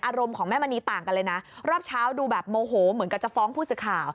ของแม่มณีต่างกันเลยนะรอบเช้าดูแบบโมโหเหมือนกับจะฟ้องผู้สื่อข่าว